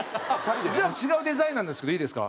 じゃあ違うデザインなんですけどいいですか？